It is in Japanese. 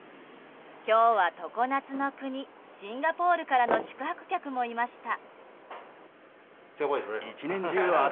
今日は常夏の国シンガポールからの宿泊客もいました。